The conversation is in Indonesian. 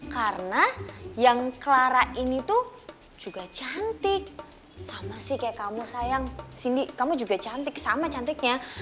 karena yang clara ini tuh juga cantik sama sih kayak kamu sayang sindi kamu juga cantik sama cantiknya